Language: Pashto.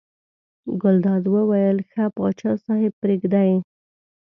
ګلداد وویل ښه پاچا صاحب پرېږده یې.